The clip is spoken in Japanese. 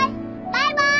バイバイ。